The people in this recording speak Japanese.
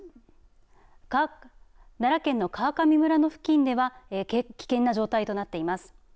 奈良県の川上村の付近では危険な状態となっています。